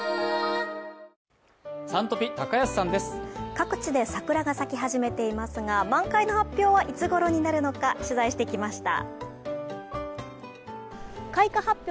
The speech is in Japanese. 各地で桜が咲き始めていますが満開の発表はいつごろになるのか取材してきました。